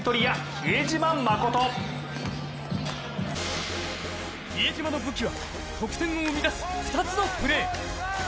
比江島の武器は、得点を生み出す２つのプレー。